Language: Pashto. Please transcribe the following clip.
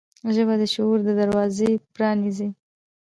ژبه د شعور دروازه پرانیزي